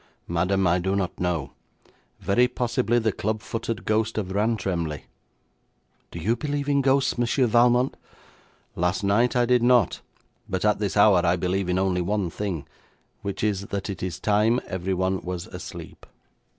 'Madam, I do not know. Very possibly the club footed ghost of Rantremly.' 'Do you believe in ghosts, Monsieur Valmont?' 'Last night I did not, but at this hour I believe in only one thing, which is that it is time everyone was asleep.'